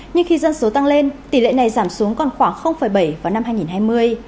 nhưng khi dân số tăng lên tỷ lệ này giảm xuống còn khoảng bảy vào năm hai nghìn hai mươi